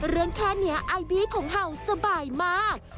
เรื่องแค่เนี่ยไอบี้ของเห่าสบายมาก